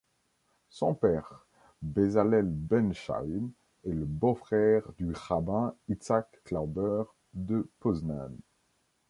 Son père, Bezalel ben Chaim, est le beau-frère du rabbin Yitzhak Klauber de Poznań.